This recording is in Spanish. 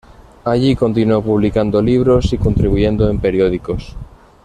Allí continuó publicando libros y contribuyendo en periódicos.